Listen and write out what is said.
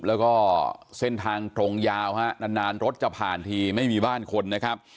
แล้วก็เส้นทางตรงยาวฮะนานรถจะผ่านทีไม่มีบ้านคนนะครับ